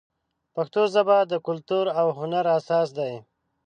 پښتو ژبه د کلتور او هنر اساس دی.